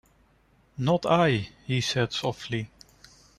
"Not I," he said softly.